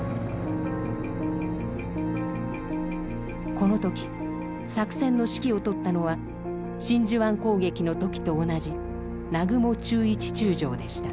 この時作戦の指揮を執ったのは真珠湾攻撃の時と同じ南雲忠一中将でした。